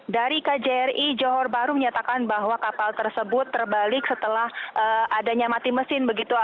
dari kjri johor baru menyatakan bahwa kapal tersebut terbalik setelah adanya mati mesin begitu